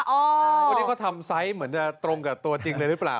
วันนี้เขาทำไซส์เหมือนจะตรงกับตัวจริงเลยหรือเปล่า